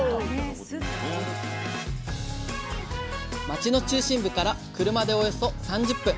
町の中心部から車でおよそ３０分。